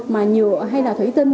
mà nhựa hay là thủy tinh